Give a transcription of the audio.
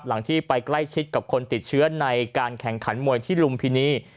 ที่ไปใกล้ชิดกับคนติดเชื้อในการแข่งขันมวยที่ลุมพินี